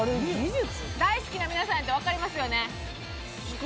大好きな皆さんやったらわかりますよね？